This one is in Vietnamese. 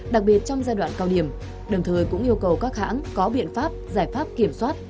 đặc biệt trong giai đoạn cao điểm đồng thời cũng yêu cầu các hãng có biện pháp giải pháp kiểm soát